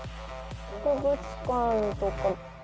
博物館とか。